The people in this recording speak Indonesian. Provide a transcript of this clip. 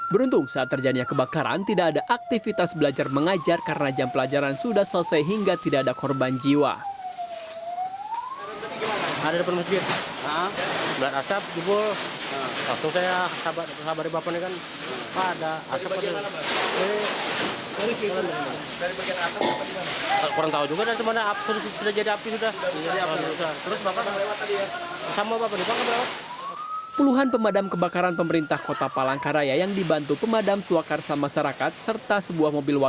beruntung saat terjadinya kebakaran tidak ada aktivitas belajar mengajar karena jam pelajaran sudah selesai hingga tidak ada korban jiwa